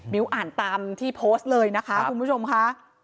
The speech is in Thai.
อ่านตามที่โพสต์เลยนะคะคุณผู้ชมค่ะ